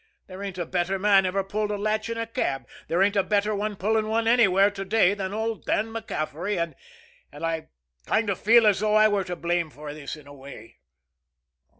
There ain't a better man ever pulled a latch in a cab, there ain't a better one pulling one anywhere to day than old Dan MacCaffery. And and I kind of feel as though I were to blame for this, in a way."